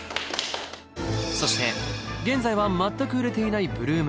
そして現在は全く売れていない